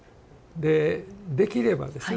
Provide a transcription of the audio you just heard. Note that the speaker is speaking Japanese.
でできればですよ